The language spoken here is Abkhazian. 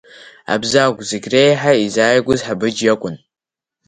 Абзагә зегь реиҳа изааигәаз Ҳабыџь иакәын.